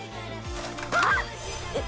あっ！